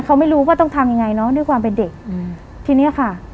เขาไม่รู้ว่าต้องทำยังไงเนอะด้วยความเป็นเด็กอืมทีเนี้ยค่ะ